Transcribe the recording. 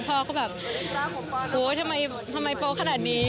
พ่อก็แบบโอ๊ยทำไมโป๊ะขนาดนี้